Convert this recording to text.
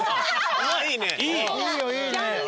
いいね。